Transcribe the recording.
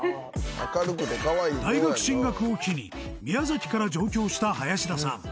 大学進学を機に宮崎から上京した林田さん